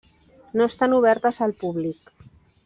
No estan obertes al públic.